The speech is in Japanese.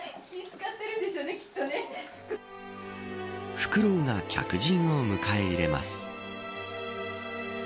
フクロウが客人を迎え入れます。